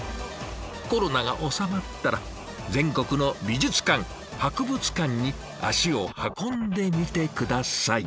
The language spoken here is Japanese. コロナが収まったら全国の美術館・博物館に足を運んでみて下さい。